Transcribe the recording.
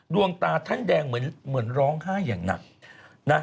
ดวงตาท่านแดงเหมือนร้องไห้อย่างหนักนะ